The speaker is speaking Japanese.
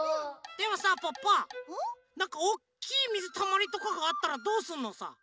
でもさポッポなんかおっきいみずたまりとかがあったらどうすんのさ？